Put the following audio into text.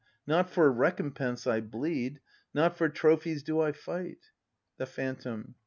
Not for recompense I bleed; Not for trophies do I fight. The Phantom.